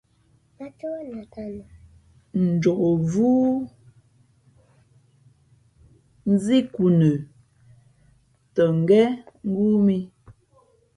Njokvʉ́ nzí nkhǔ nə tα ngén ngóó mǐ.